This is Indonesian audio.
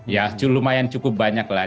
ya lumayan cukup banyak lah